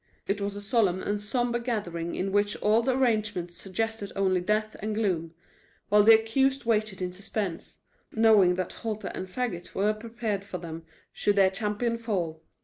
It was a solemn and sombre gathering in which all the arrangements suggested only death and gloom, while the accused waited in suspense, knowing that halter and fagot were prepared for them should their champion fall.